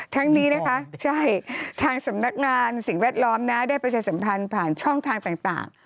ทั้งนี้นะคะใช่ทางสำนักงานสิ่งแวดล้อมนะได้ประชาสัมพันธ์ผ่านช่องทางต่าง